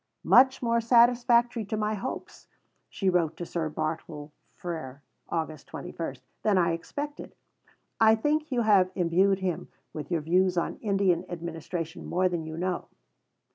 "Much more satisfactory to my hopes," she wrote to Sir Bartle Frere (Aug. 21) "than I expected. I think you have imbued him with your views on Indian administration more than you know.